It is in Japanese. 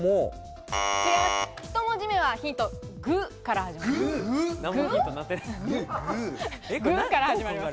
一文字目のヒント、グから始まります。